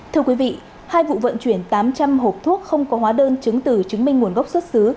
thưa quý vị hai vụ vận chuyển tám trăm linh hộp thuốc không có hóa đơn chứng từ chứng minh nguồn gốc xuất xứ